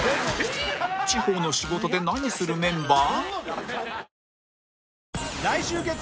地方の仕事で何するメンバー？